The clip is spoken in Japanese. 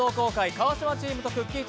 川島チームとくっきー！